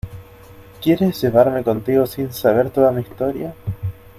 ¿ quieres llevarme contigo sin saber toda mi historia?